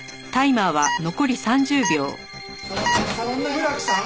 村木さん！